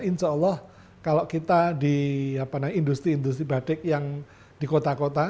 insya allah kalau kita di industri industri batik yang di kota kota